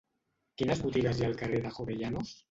Quines botigues hi ha al carrer de Jovellanos?